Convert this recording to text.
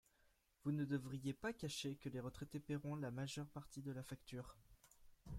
Vous ne devriez pas cacher que les retraités paieront la majeure partie de la facture.